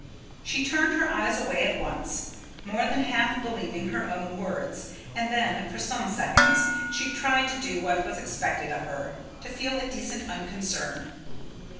She turned her eyes away at once, more than half believing her own words; and then, for some seconds, she tried to do what was expected of her: to feel a decent unconcern.